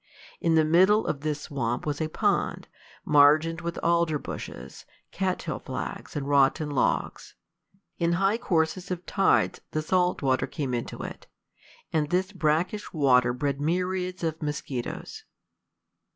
In the middle of this swamp was a pond, margined with alder bushes, cat tail flags, and rotten logs. In high courses of tides the salt water came into it, and this brackish water bred myriads of mosquitos.